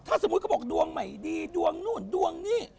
ถ้าสมมุติเขาบอกดวงใหม่ดีดวงนู่นดวงนี่